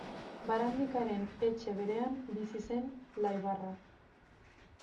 Barandikaren etxe berean bizi zen Laibarra.